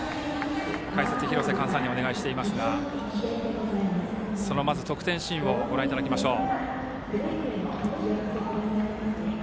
解説、廣瀬寛さんにお願いしていますがその得点シーンをご覧いただきましょう。